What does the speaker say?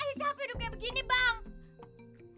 ayah siap hidup kayak begini bang